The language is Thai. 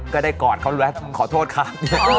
ก็เคยกอดเขาแล้วขอโทษคุณ